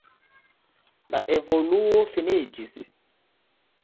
La evoluo finiĝis.